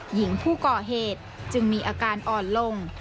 หญิงผู้ก่อเหตุจึงมีอาการอ่อนลง